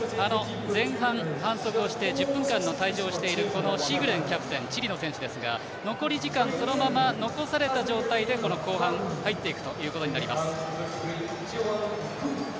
前半反則をして１０分間の退場をしているシグレンキャプテンチリの選手ですが、残り時間そのまま残された状態でこの後半、入っていくということになります。